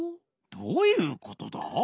どういうことだ？